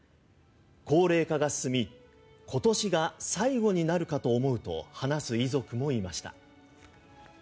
高齢化が進み今年が最後になるかと思うと話す遺族もいました。